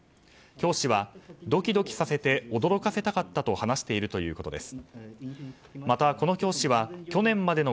教師はドキドキさせて驚かせたかったと話しているということです。